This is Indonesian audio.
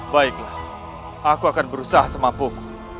baiklah aku akan berusaha semampuku